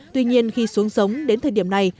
tuy nhiên khi xuống giống đến thời điểm này